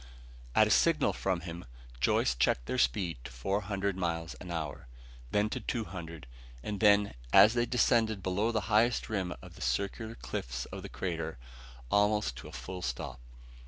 At a signal from him, Joyce checked their speed to four hundred miles an hour, then to two hundred, and then, as they descended below the highest rim of the circular cliffs of the crater, almost to a full stop.